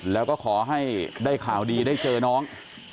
แล้วก็ขอให้ได้ข่าวดีได้เจอน้อง